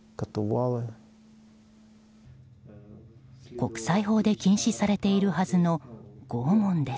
国際法で禁止されているはずの拷問です。